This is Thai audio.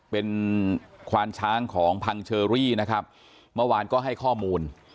เป็นควานช้างของพังเชอรี่นะครับเมื่อวานก็ให้ข้อมูล